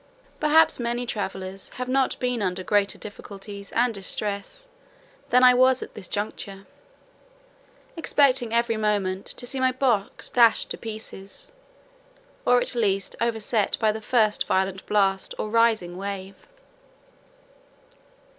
Perhaps many travellers have not been under greater difficulties and distress than I was at this juncture, expecting every moment to see my box dashed to pieces, or at least overset by the first violent blast, or rising wave.